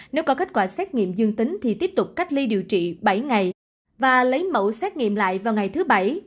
nếu có kết quả xét nghiệm dương tính thì tiếp tục cách ly điều trị bảy ngày và lấy mẫu xét nghiệm lại vào ngày thứ bảy